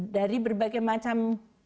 dari berbagai macam